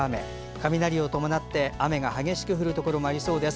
雷を伴って、雨が激しく降るところもありそうです。